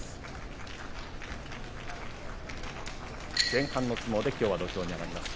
前半の相撲で土俵に上がります。